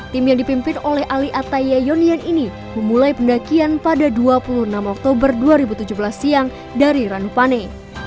tim yang dipimpin oleh ali ataye yonien ini memulai pendakian pada dua puluh enam oktober dua ribu tujuh belas siang dari ranupane